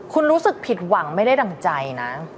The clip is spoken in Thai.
คุณรู้สึกผิดหวังไม่ได้ดั่งใจนะ